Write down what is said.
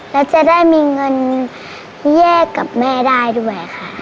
แล้วจะได้มีเงินแยกกับแม่ได้ด้วยค่ะ